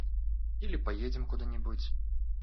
Или поедем куда-нибудь.